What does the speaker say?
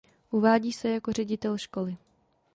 Uvádí se jako ředitel školy.